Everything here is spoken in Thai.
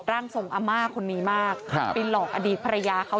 กลมล่างสรงอาม่าคนนี้มากครับเป็นหลอกอดีตภรรยาเขา